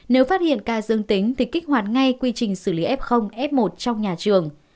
nếu phát hiện ca dương tính thì kích hoạt ngay quy trình xử lý f f một trong nhà trường